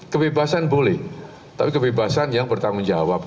kebebasan boleh tapi kebebasan yang bertanggung jawab